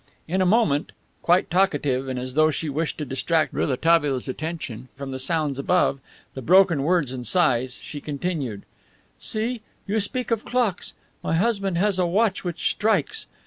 In a moment, quite talkative, and as though she wished to distract Rouletabille's attention from the sounds above, the broken words and sighs, she continued: "See, you speak of clocks. My husband has a watch which strikes.